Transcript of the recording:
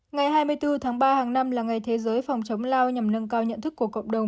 ngày hai mươi bốn tháng ba hàng năm là ngày thế giới phòng chống lao nhằm nâng cao nhận thức của cộng đồng